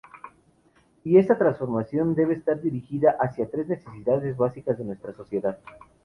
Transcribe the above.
Y está transformación debe estar dirigida hacia tres necesidades básicas de nuestra sociedad.